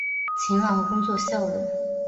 勤劳和工作效率